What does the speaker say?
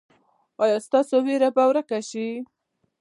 ایا ستاسو ویره به ورکه شي؟